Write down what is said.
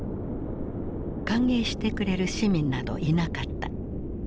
歓迎してくれる市民などいなかった。